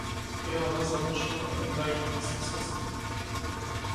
Еден од нас започнува да и ги стиска цицките.